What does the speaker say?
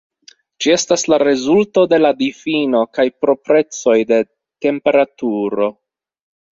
Ĝi estas la rezulto de la difino kaj proprecoj de temperaturo.